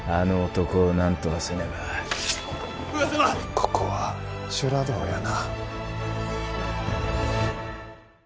ここは修羅道やな。